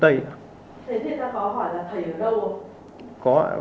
thầy thiết ra có hỏi là thầy ở đâu không